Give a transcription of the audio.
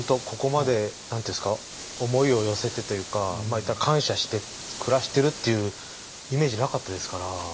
ここまで何て言うんですか思いを寄せてというかまあ言ったら感謝して暮らしてるっていうイメージなかったですから